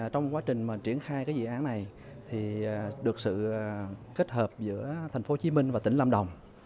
trong quá trình triển khai dự án này được sự kết hợp giữa tp hồ chí minh và tỉnh lâm đồng